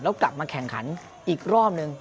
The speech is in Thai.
แล้วกลับมาแข่งขันอีกรอบนึง